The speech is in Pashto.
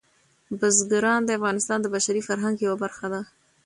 بزګان د افغانستان د بشري فرهنګ یوه برخه ده.